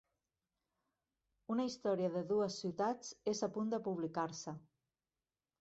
Una història de dues ciutats és a punt de publicar-se.